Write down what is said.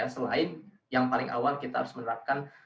selain yang paling awal kita harus menerapkan